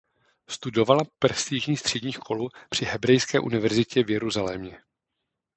Studovala prestižní střední školu při Hebrejské univerzitě v Jeruzalémě.